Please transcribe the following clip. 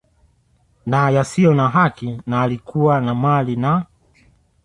na yasiyo ya haki na alikuwa na mali na